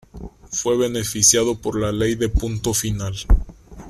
Fue beneficiado por la Ley de Punto Final.